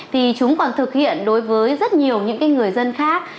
thì chúng còn thực hiện đối với rất nhiều những người dân khác